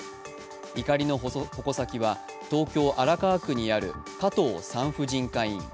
怒りの矛先は東京・荒川区にある加藤産婦人科医院。